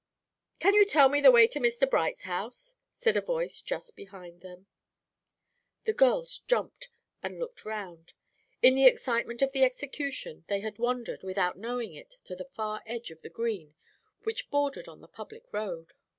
'" "Can you tell me the way to Mr. Bright's house?" said a voice just behind them. The girls jumped and looked round. In the excitement of the execution, they had wandered, without knowing it, to the far edge of the green, which bordered on the public road.